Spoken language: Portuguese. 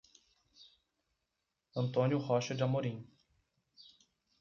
Antônio Rocha de Amorim